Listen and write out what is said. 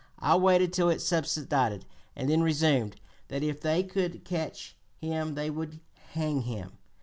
I waited till it subsided, and then resumed, 'that if they could catch him they would hang him!'